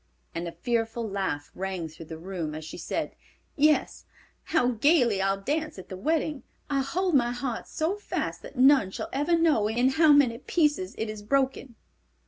And a fearful laugh rang through the room as she said, "Yes, how gayly I'll dance at the wedding. I'll hold my heart so fast that none shall ever know in how many pieces it is broken."